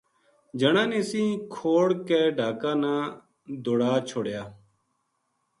جنا نے سَینہ کھوڑ کے ڈھاکا نا دوڑا چھوڈیا